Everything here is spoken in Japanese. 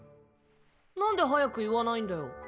なんで早く言わないんだよ？